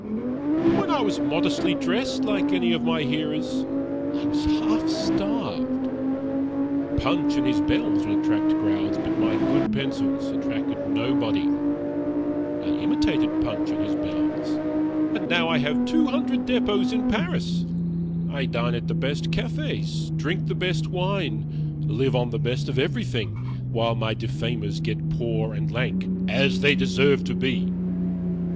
"When I was modestly dressed, like any of my hearers, I was half starved. Punch and his bells would attract crowds, but my good pencils attracted nobody. I imitated Punch and his bells, and now I have two hundred depots in Paris. I dine at the best cafés, drink the best wine, live on the best of everything, while my defamers get poor and lank, as they deserve to be.